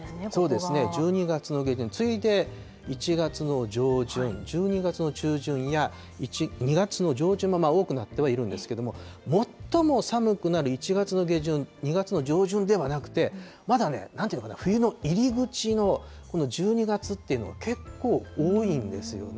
１２月の下旬、次いで１月の上旬、１２月の中旬や、２月の上旬も多くなってはいるんですけれども、最も寒くなる１月の下旬、２月の上旬ではなくて、まだね、なんていうかな、入り口のこの１２月っていうのは結構、多いんですよね。